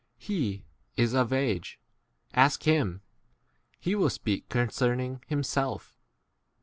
Hes is of age : ask Mm; h lies will speak con 22 cerning himself.